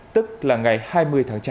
tức là ngày hai mươi tháng trả